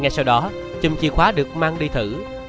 và sẽ có một số thông báo